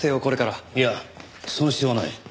いやその必要はない。